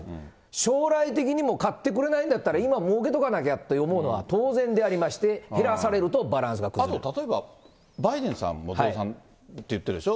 将来的にも買ってくれないんだったら、今もうけとかなきゃって思うのは当然でありまして、減らされるとあと例えば、バイデンさんも増産って言ってるでしょ。